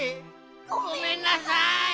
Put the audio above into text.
ごめんなさい！